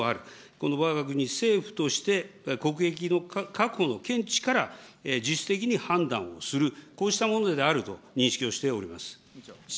このわが国政府として、国益の確保の見地から自主的に判断をする、こうしたものであると認識をしております。